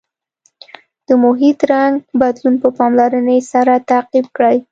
د محیط رنګ بدلون په پاملرنې سره تعقیب کړئ.